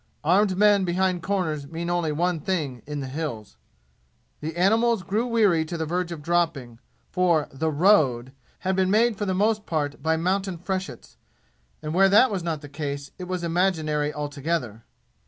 Armed men behind corners mean only one thing in the "Hills." The animals grew weary to the verge of dropping, for the "road" had been made for the most part by mountain freshets, and where that was not the case it was imaginary altogether.